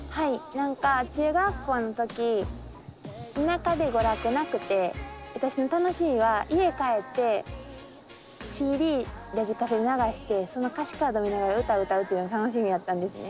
何か中学校の時田舎で娯楽なくて私の楽しみは家帰ってＣＤラジカセで流してその歌詞カード見ながら歌歌うっていうのが楽しみやったんですね。